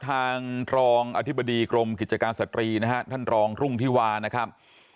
ทางรองอธิบดีกรมกิจการสตรีนะฮะท่านรองรุ่งธิวานะครับ